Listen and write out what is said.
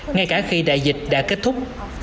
ngay cả khi đại dịch đã kết thúc